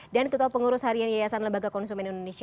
dan ketua pengurus harian yayasan lembaga konsumen indonesia